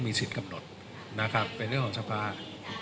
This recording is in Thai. สิทธิ์กำหนดนะครับเป็นเรื่องของสภา